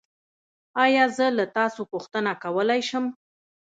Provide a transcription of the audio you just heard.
ایا زه له تاسو پوښتنه کولی شم؟